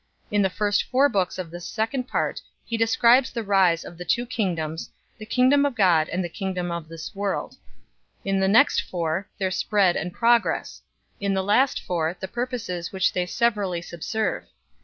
In the first four books of this second part he describes the rise of the two kingdoms, the kingdom of God and the kingdom of this world ; in the next four their spread and progress ; in the last four, the purposes which they severally subserve.